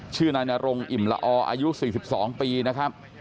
ชื่อนายนรงอิ่มละออายุ๔๒ปีนะครับ